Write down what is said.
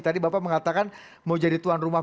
tadi bapak mengatakan mau jadi tuan rumah